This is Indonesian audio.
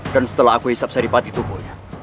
dan setelah aku hisap sari pati tubuhnya